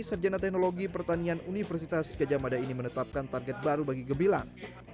sarjana teknologi pertanian universitas kejamada ini menetapkan target baru bagi gebilang